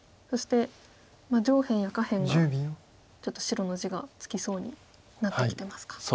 そして上辺や下辺がちょっと白の地がつきそうになってきてますか。